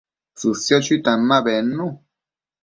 tsësio chuitan ma bednu